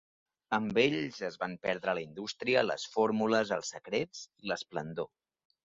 Amb ells es van perdre la indústria, les fórmules, els secrets i l'esplendor.